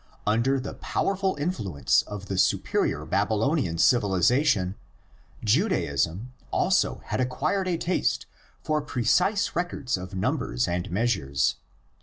Under the powerful influence of the superior Baby lonian civilisation Judaism also had acquired a taste for precise records of numbers and measures.